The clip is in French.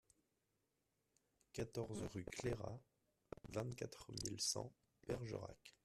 quatorze rue Clairat, vingt-quatre mille cent Bergerac